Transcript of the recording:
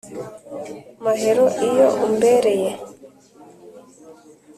Mahero iyo umbereye